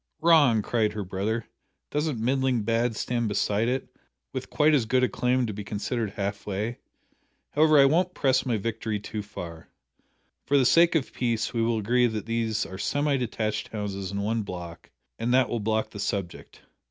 "Wrong!" cried her brother, "doesn't middling bad stand beside it, with quite as good a claim to be considered half way? However, I won't press my victory too far. For the sake of peace we will agree that these are semi detached houses in one block and that will block the subject.